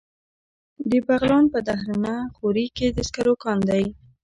د بغلان په دهنه غوري کې د سکرو کان دی.